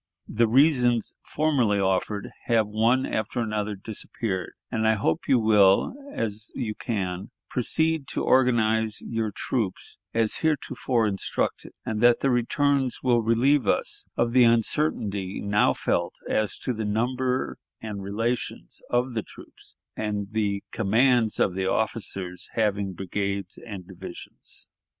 The reasons formerly offered have one after another disappeared, and I hope you will, as you can, proceed to organize your troops as heretofore instructed, and that the returns will relieve us of the uncertainty now felt as to the number and relations of the troops, and the commands of the officers having brigades and divisions....